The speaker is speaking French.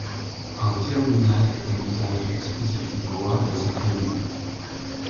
Un terminal est à l'usage exclusif du roi et de sa famille.